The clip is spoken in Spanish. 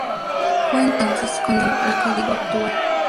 Fue entonces cuando se definió el código actual.